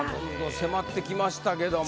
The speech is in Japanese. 迫ってきましたけども。